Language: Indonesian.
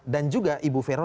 dan juga ibu vero